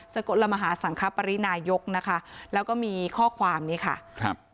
กลมหาสังคปรินายกนะคะแล้วก็มีข้อความนี้ค่ะครับ